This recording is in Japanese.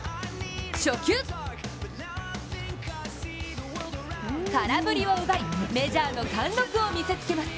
初球、空振りを奪い、メジャーの貫禄を見せつけます。